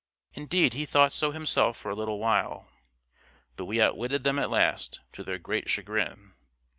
Indeed he thought so himself for a little while. But we outwitted them at last, to their great chagrin.